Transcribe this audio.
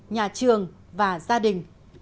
nhà trường và gia đình